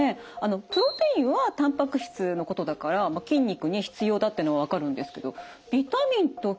「プロテイン」はたんぱく質のことだから筋肉に必要だってのは分かるんですけどビタミンと筋肉は関係あるんですか？